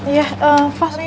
iya fasri pak